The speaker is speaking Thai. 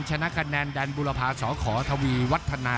ชนะคะแนนดันบุรพาสขทวีวัฒนา